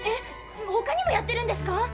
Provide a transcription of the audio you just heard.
ほかにもやってるんですか